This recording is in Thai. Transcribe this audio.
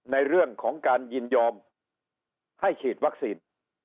ในเรื่องของการยินยอมให้ฉีดวัคซีน